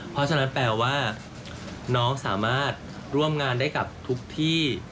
เพราะฉะนั้นแปลว่าน้องสามารถร่วมงานได้กับทุกที่